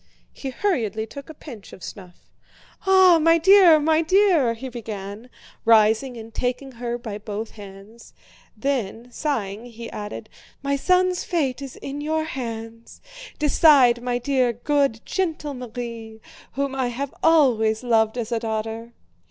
He hurriedly took a pinch of snuff. "Ah, my dear, my dear!" he began, rising and taking her by both hands. Then, sighing, he added: "My son's fate is in your hands. Decide, my dear, good, gentle Marie, whom I have always loved as a daughter!"